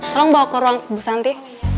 tolong bawa ke ruang bu santi